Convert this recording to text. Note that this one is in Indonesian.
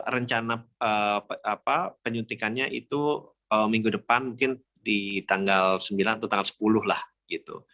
rencana penyuntikannya itu minggu depan mungkin di tanggal sembilan atau tanggal sepuluh lah gitu